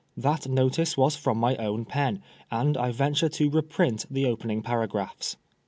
That notice was from my own pen, and I venture to reprint the opening paragraphs.